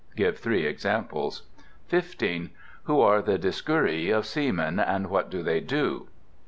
Give three examples. 15. Who are the Dioscuri of Seamen, and what do they do?